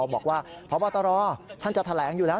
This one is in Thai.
บอกว่าพบตรท่านจะแถลงอยู่แล้ว